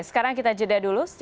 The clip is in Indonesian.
sekarang kita jeda dulu